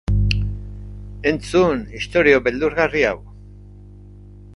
Entzun isotio beldurgarri hau!